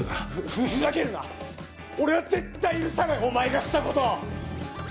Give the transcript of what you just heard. ふふざけるな俺は絶対許さないお前がしたことを！